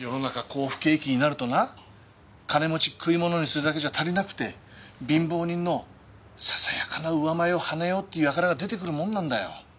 こう不景気になるとな金持ち食いものにするだけじゃ足りなくて貧乏人のささやかな上前をはねようっていう輩が出てくるもんなんだよ。